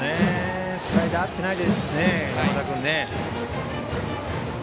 スライダーに合ってないですね、山田君。